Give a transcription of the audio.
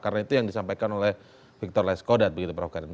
karena itu yang disampaikan oleh victor leskodat begitu prof karim